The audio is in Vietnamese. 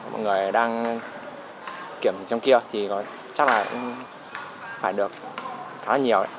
mọi người đang kiểm trong kia thì chắc là cũng phải được khá là nhiều